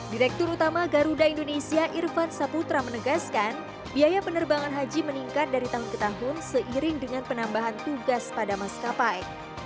direktur utama garuda indonesia irfan saputra menegaskan biaya penerbangan haji meningkat dari tahun ke tahun seiring dengan penambahan tugas pada maskapai